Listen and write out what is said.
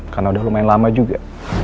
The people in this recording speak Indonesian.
karena udah lumayan lama juga